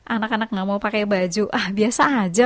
anak anak nggak mau pakai baju ah biasa aja